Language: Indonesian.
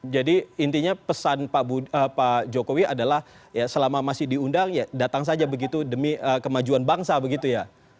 jadi intinya pesan pak jokowi adalah selama masih diundang datang saja begitu demi kemajuan bangsa begitu ya